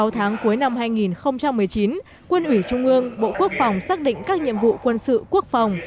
sáu tháng cuối năm hai nghìn một mươi chín quân ủy trung ương bộ quốc phòng xác định các nhiệm vụ quân sự quốc phòng